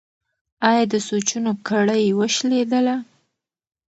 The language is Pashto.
ایا د سوچونو کړۍ وشلیدله؟